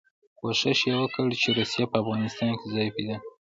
کوښښ یې وکړ چې روسیه په افغانستان کې ځای پیدا کړي.